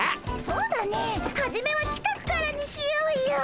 そうだねえはじめは近くからにしようよ。